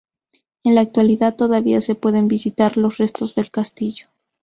En la actualidad todavía se pueden visitar los restos del castillo.